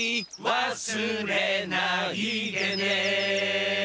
「忘れないでね」